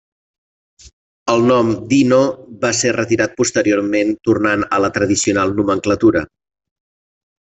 El nom Dino, va ser retirat posteriorment tornant a la tradicional nomenclatura.